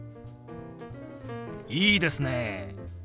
いいですね！